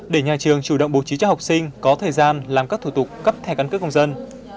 để nhà trường chủ động bố trí cho học sinh có thời gian làm các thủ tục cấp thẻ căn cước công dân